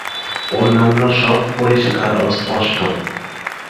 অন্যান্য সব পরিষ্কার ও স্পষ্ট।